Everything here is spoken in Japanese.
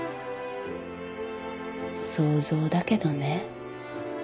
想像だけどね。